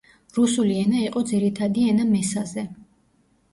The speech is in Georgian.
რუსული ენა იყო ძირითადი ენა მესაზე.